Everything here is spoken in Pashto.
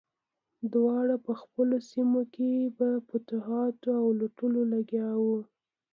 دواړه په خپلو سیمو کې په فتوحاتو او لوټلو لګیا وو.